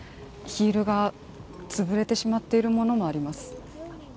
ヒールが潰れてしまっているものもあります。